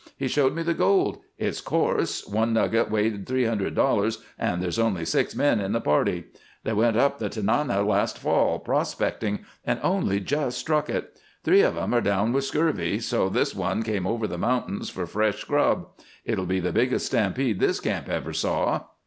He showed me the gold. It's coarse; one nugget weighed three hundred dollars and there's only six men in the party. They went up the Tanana last fall, prospecting, and only just struck it. Three of 'em are down with scurvy, so this one came over the mountains for fresh grub. It'll be the biggest stampede this camp ever saw."